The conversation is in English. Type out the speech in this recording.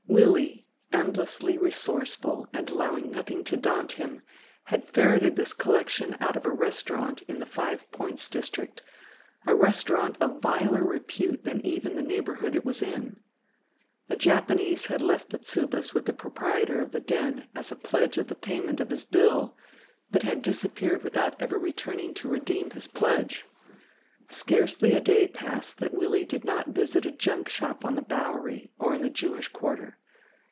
Willy, endlessly resourceful and allowing nothing to daunt him, had ferreted this collection out of a restaurant in the Five Points district, a restaurant of viler repute than even the neighbourhood it was in. A Japanese had left the tsubas with the proprietor of the den as pledge of the payment of his bill, but had disappeared without ever returning to redeem his pledge. Scarcely a day passed that Willy did not visit a junk shop on the Bowery, or in the Jewish quarter.